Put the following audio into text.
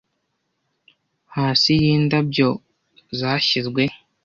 hasi yindabyo zashyizwe